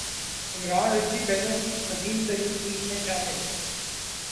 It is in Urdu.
عمران رچی بینو کی عظیم ترین ٹیم میں شامل